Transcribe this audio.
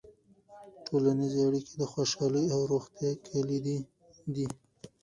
ټولنیزې اړیکې د خوشحالۍ او روغتیا کلیدي دي.